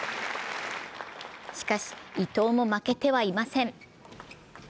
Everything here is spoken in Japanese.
しかし、伊藤も負けてはいません。